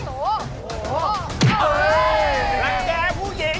ทำอะไรอยู่ไหน